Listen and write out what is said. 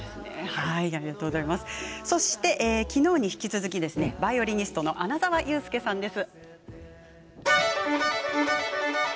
そしてきのうに引き続きバイオリニストの穴澤雄介さんです。